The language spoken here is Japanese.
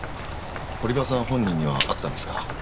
堀場さん本人には会ったんですか？